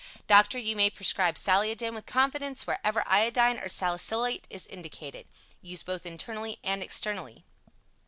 Doctor, you may prescribe Saliodin with confidence wherever iodine or salicylate is indicated. Used both internally and externally.